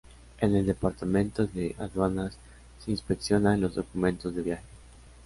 En el departamento de aduanas, se inspeccionan los documentos de viaje.